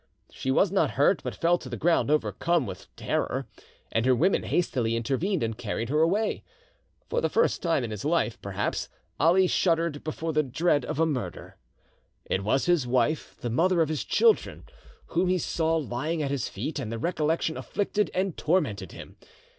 She was not hurt, but fell to the ground overcome with terror, and her women hastily intervened and carried her away. For the first time in his life, perhaps, Ali shuddered before the dread of a murder. It was his wife, the mother of his children, whom he saw lying at his feet, and the recollection afflicted and tormented him.